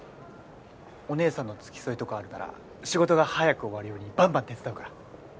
お姉さんの付き添いとかあるなら仕事が早く終わるようにばんばん手伝うから。